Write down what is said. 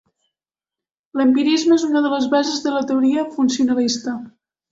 L'empirisme és una de les bases de la teoria funcionalista.